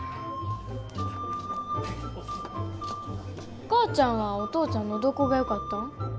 お母ちゃんはお父ちゃんのどこがよかったん？